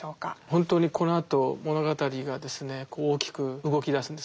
本当にこのあと物語がですね大きく動きだすんですね。